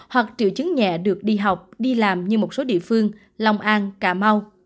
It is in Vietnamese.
hoặc triệu chứng nhẹ được đi học đi làm như một số địa phương long an cà mau